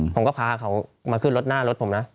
ผมก็พาเขามาขึ้นรถหน้ารถผมนะ